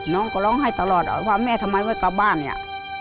น้องก็ร้องไห้ตลอดว่าแม่ทำไมไม่กลับบ้านเนี่ย